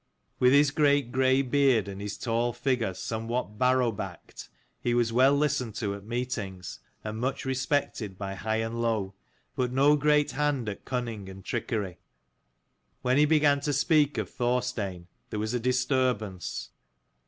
With his great grey beard, and his tall figure somewhat barrowbacked, he was well listened to at meetings, and much respected by high and low, but no great hand at cunning and trickery. When he began to speak of Thorstein there was a disturbance.